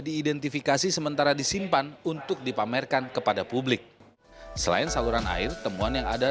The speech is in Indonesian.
diidentifikasi sementara disimpan untuk dipamerkan kepada publik selain saluran air temuan yang ada